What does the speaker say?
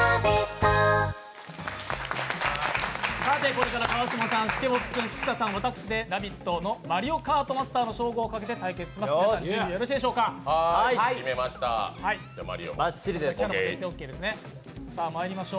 これから川島さん、吸殻君、菊田さん、「ラヴィット！」のマリオカートモンスターの称号をかけて戦います。